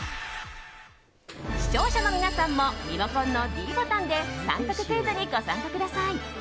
視聴者の皆さんもリモコンのｄボタンで３択クイズにご参加ください。